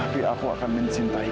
dan jika aku ingin mencintai